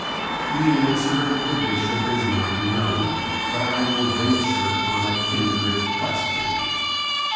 The answer of the bishop is not known, but I will venture on a kindred question.